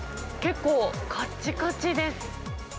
結構、かっちかちです。